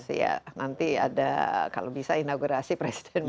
sudah nanti ada kalau bisa inaugurasi presiden baru